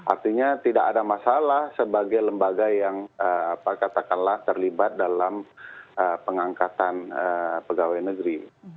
artinya tidak ada masalah sebagai lembaga yang katakanlah terlibat dalam pengangkatan pegawai negeri